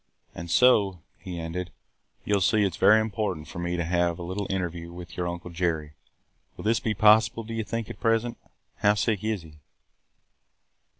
"And so," he ended, "you see that it is very important for me to have a little interview with your Uncle Jerry. Will this be possible, do you think, at present? How sick is he?"